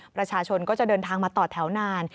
ประชาชนก็จะเดินทางมาต่อแถวนาน